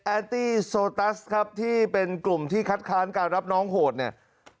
ตี้โซตัสครับที่เป็นกลุ่มที่คัดค้านการรับน้องโหดเนี่ย